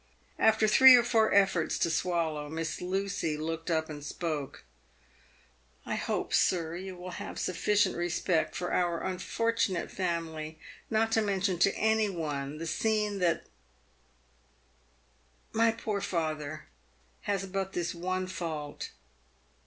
After three or four efforts to swallow, Miss Lucy looked up and spoke. " I hope, sir, you will have sufficient respect for our unfor tunate family not to mention to any one the scene that My poor father has but this one fault."